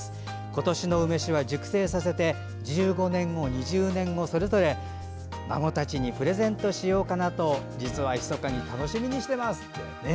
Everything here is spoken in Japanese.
今年の梅酒は熟成させて１５年後、２０年後それぞれ孫たちにプレゼントしようかなと実はひそかに楽しみにしてます。